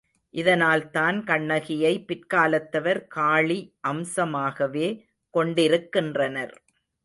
இதனால்தான் கண்ணகியை பிற்காலத்தவர் காளி அம்சமாகவே கொண்டிருக்கின்றனர்.